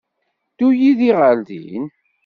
Ddu yid-i ɣer din.